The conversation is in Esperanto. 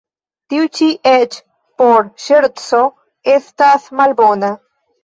Tiu ĉi eĉ por ŝerco estas malbona.